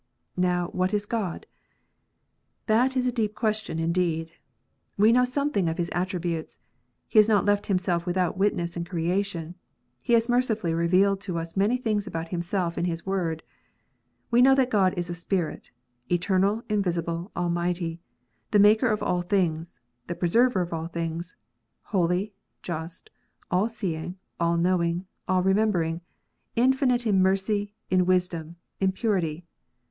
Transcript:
Now what is God 1 That is a deep question indeed. We know something of His attributes : He has not left Himself without witness in creation; He has mercifully revealed to. us many things about Himself in His Word. We know that God is a Spirit, eternal, invisible, almighty, the Maker of all things, the Preserver of all things, holy, just, all seeing, all knowing, all remembering, infinite in mercy, in wisdom, in purity.